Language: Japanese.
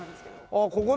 ああここで。